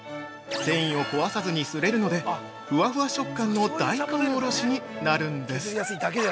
繊維を壊さずにすれるので、ふわふわ食感の大根おろしになるんです。